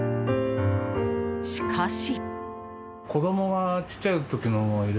しかし。